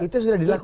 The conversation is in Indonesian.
itu sudah dilakukan